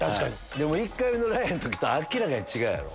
１回目のライアーの時と明らかに違うやろ？